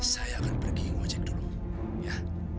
saya akan pergi gojek dulu ya